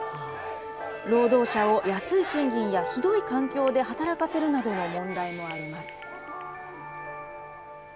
労働者を安い賃金やひどい環境で働かせるなどの問題もあります。